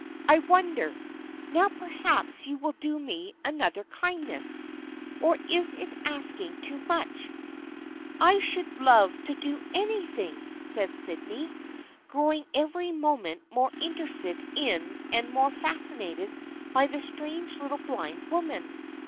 I wonder — now perhaps you will do me another kindness ? Or is it asking too much ?"" I should love to do anything," said Sydney, growing every moment more interested in and more fascinated by the strange little blind woman.